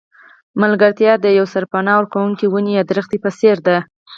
ملګرتیا د یوې سرپناه ورکوونکې ونې یا درخته په څېر ده.